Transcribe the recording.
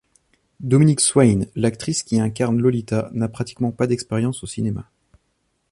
Dominique Swain, l'actrice qui incarne Lolita, n'a pratiquement pas d'expérience au cinéma.